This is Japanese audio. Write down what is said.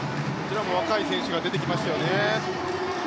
若い選手が出てきましたよね。